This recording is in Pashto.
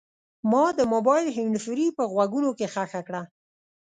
ما د موبایل هینډفري په غوږونو کې ښخه کړه.